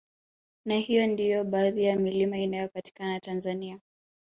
Na hiyo ndiyo baadhi ya milima inayopatikana Tanzania